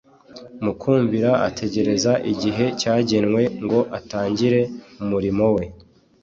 , mu kumvira ategereza igihe cyagenwe ngo atangire umurimo We